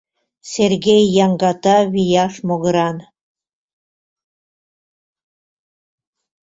Сергей яҥгата вияш могыран.